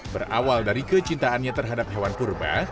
berawal dari kecintaannya terhadap hewan purba